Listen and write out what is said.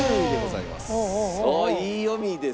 いい読みですね。